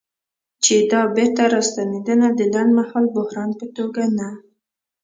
چې دا بیرته راستنېدنه د لنډمهاله بحران په توګه نه